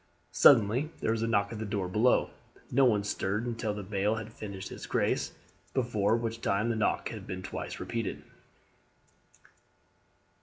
Suddenly there was a knock at the door below. No one stirred until the bailie had finished his grace, before which time the knock had been twice repeated.